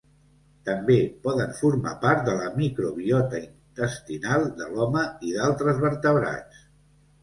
També poden formar part de la microbiota intestinal de l'home i d'altres vertebrats.